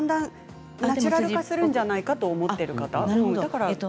ナチュラル化するんじゃないかということです。